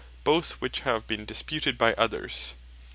Both which have been disputed by others.